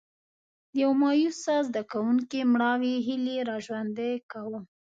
د یو مایوسه زده کوونکي مړاوې هیلې را ژوندي کوم.